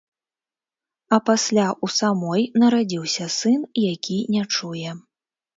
А пасля ў самой нарадзіўся сын, які не чуе.